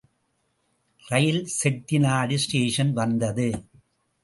ரயில் Chettinad station வந்தது.